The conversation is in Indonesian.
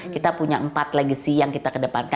kita punya empat legacy yang kita kedepankan